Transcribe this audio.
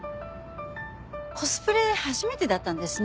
コスプレ初めてだったんですね。